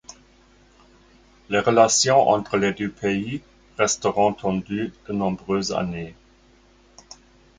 Les relations entre les deux pays resteront tendues de nombreuses années.